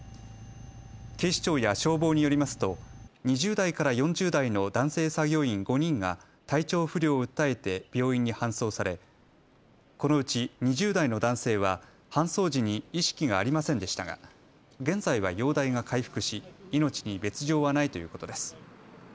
警視庁や消防によりますと２０代から４０代の男性作業員５人が体調不良を訴えて病院に搬送されこのうち２０代の男性は搬送時に意識がありませんでしたが現在は容体が回復し、命に別状はないということです。